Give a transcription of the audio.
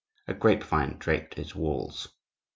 A grape vine draped its walls.